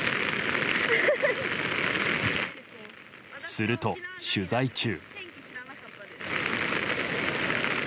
すると取材中。